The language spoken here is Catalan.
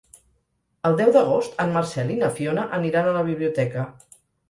El deu d'agost en Marcel i na Fiona aniran a la biblioteca.